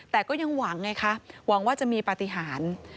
แต่ก็ยังหวังไงคะหวังว่าจะมีปฏิหาร